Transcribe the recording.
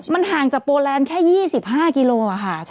มันห่างจากโปรแลนด์แค่๒๕กิโลค่ะ